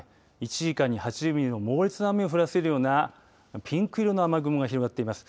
１時間に８０ミリの猛烈な雨を降らせるようなピンク色の雨雲が広がっています。